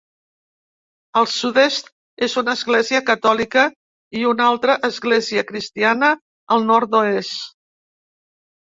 Al sud-est una església catòlica i una altra església cristiana al nord-oest.